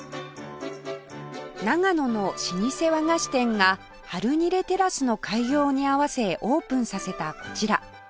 長野の老舗和菓子店がハルニレテラスの開業に合わせオープンさせたこちら